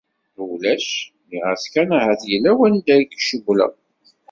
« Ulac, nniɣ-as kan ahat yella wanda i kcewwleɣ. »